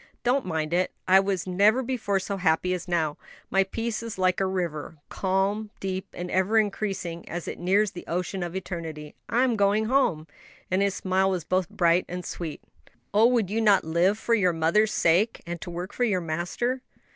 "Don't mind it, I was never before so happy as now; my peace is like a river calm, deep, and ever increasing as it nears the ocean of eternity. I'm going home!" And his smile was both bright and sweet. "Oh, would you not live for your mother's sake? and to work for your Master?"